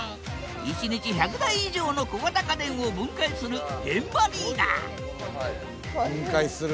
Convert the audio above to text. １日１００台以上の小型家電を分解する現場リーダー分解する。